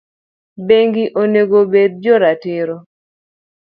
bengi onego bed jo ratiro.